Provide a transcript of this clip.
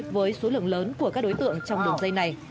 với số lượng lớn của các đối tượng trong đường dây này